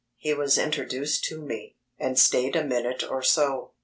He was introduced to me, and stayed a minute or so.